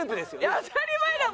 当たり前だよ！